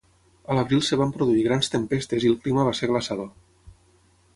A l'abril es van produir grans tempestes i el clima va ser glaçador.